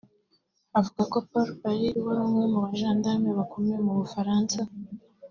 Avuga ko Paul Barril wari umwe mu bajandarume bakomeye mu Bufaransa